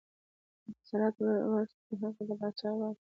د انحصاراتو ورکړې حق د پاچا واک و.